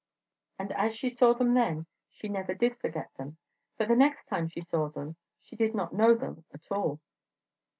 And as she saw them then, she never did forget them. But the next time she saw them she did not know them at all.